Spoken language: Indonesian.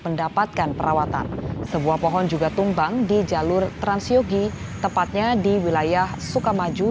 mendapatkan perawatan sebuah pohon juga tumbang di jalur transyogi tepatnya di wilayah sukamaju